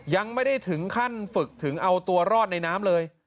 ยังไม่ได้ถึงขั้นฝึกถึงเอาตัวรอดในน้ำเลย